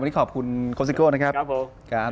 วันนี้ขอบคุณโค้สิโก้นะครับ